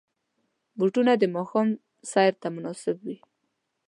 بوټونه د ماښام سیر ته مناسب وي.